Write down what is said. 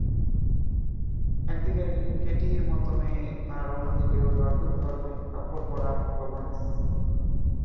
এক দিকে কেটির মতো মেয়ে, আর অন্য দিকে ঐ অদ্ভুত-ধরনে-কাপড়-পরা গবর্নেস।